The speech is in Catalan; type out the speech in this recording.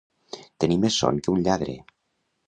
Tenir més son que un lladre.